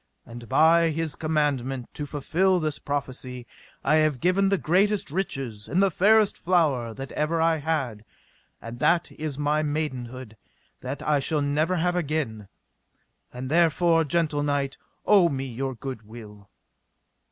And by his commandment to fulfil this prophecy I have given the greatest riches and the fairest flower that ever I had, and that is my maidenhood that I shall never have again; and therefore, gentle knight, owe me your good will.